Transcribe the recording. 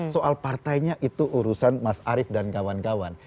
soal partainya itu urusan mas arief dan kawan kawan